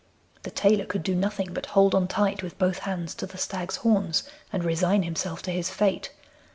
The tailor could do nothing but hold on tight with both hands to the stag's horns and resign himself to his fate.